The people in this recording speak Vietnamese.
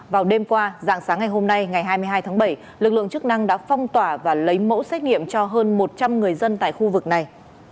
vào đêm qua dạng sáng ngày hôm nay ngày hai mươi hai tháng bảy lực lượng chức năng đã phong tỏa và lấy mẫu xét nghiệm cho hơn một trăm linh người dân tại khu vực này